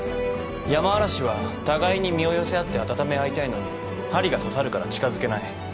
ヤマアラシは互いに身を寄せ合って温め合いたいのに針が刺さるから近づけない。